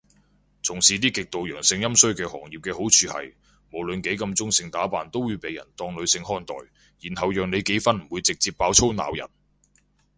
從事啲極度陽盛陰衰嘅行業嘅好處係，無論幾咁中性打扮都會被人當女性看待，然後讓你幾分唔會直接爆粗鬧人